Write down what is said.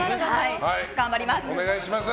頑張ります。